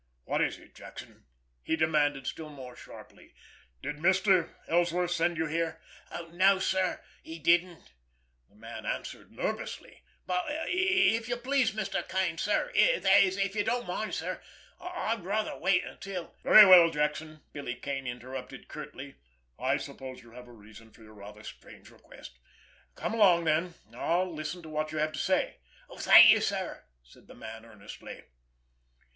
"What is it, Jackson?" he demanded still more sharply. "Did Mr. Ellsworth send you here?" "No, sir; he didn't," the man answered nervously. "But, if you please, Mr. Kane, sir, that is, if you don't mind, sir, I'd rather wait until——" "Very well, Jackson!" Billy Kane interrupted curtly. "I suppose you have a reason for your rather strange request. Come along, then, and I'll listen to what you have to say." "Thank you, sir," said the man earnestly.